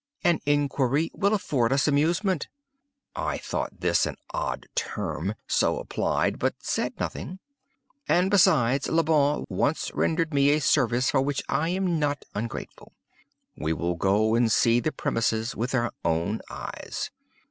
An inquiry will afford us amusement," [I thought this an odd term, so applied, but said nothing] "and, besides, Le Bon once rendered me a service for which I am not ungrateful. We will go and see the premises with our own eyes.